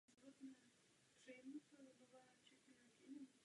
Ostroh sloužil jako opora pro obranu Irkutsku před nájezdy Mongolů.